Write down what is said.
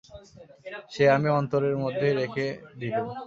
সে আমি অন্তরের মধ্যেই রেখে দিলুম।